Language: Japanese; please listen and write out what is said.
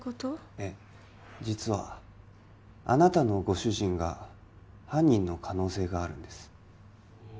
ええ実はあなたのご主人が犯人の可能性があるんです